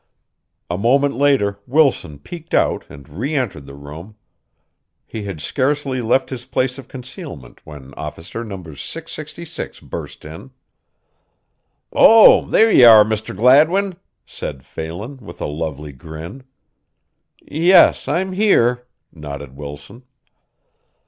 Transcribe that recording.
A moment later Wilson peeked out and re entered the room. He had scarcely left his place of concealment when Officer No. 666 burst in. "Oh, there ye are, Mr. Gladwin!" said Phelan, with a lovely grin. "Yes, I'm here," nodded Wilson.